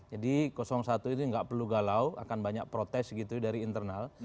jadi satu ini gak perlu galau akan banyak protes gitu dari internal